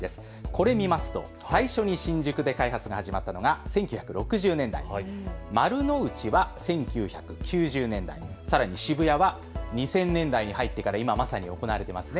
これを見ますと最初に新宿で開発が始まったのが１９６０年代、丸の内は１９９０年代、さらに渋谷は２０００年代に入ってから今、まさに行われています。